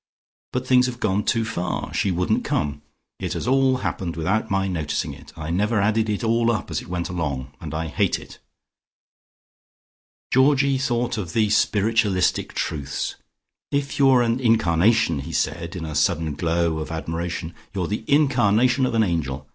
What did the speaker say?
But things have gone too far; she wouldn't come. It has all happened without my noticing it. I never added it all up as it went along, and I hate it." Georgie thought of the spiritualistic truths. "If you're an incarnation," he said in a sudden glow of admiration, "you're the incarnation of an angel.